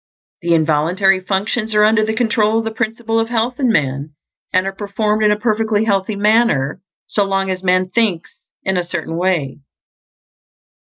The involuntary functions are under the control of the Principle of Health in man, and are performed in a perfectly healthy manner so long as man thinks in a certain way.